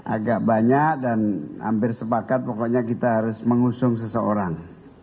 agak banyak dan hampir sepakat pokoknya kita harus mengusung seseorang